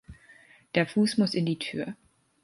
Der Fuß muss in die Tür.